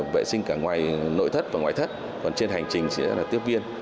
vệ sinh cả ngoài nội thất và ngoại thất còn trên hành trình sẽ là tiếp viên